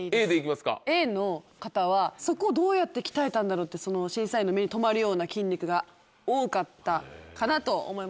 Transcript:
Ａの方はそこどうやって鍛えたんだろうって審査員の目に留まるような筋肉が多かったかなと思いました。